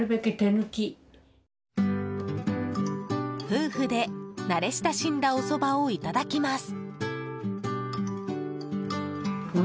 夫婦で慣れ親しんだおそばをいただきます。